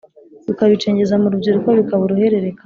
rukabicengeza mu rubyiruko bikaba uruhererekane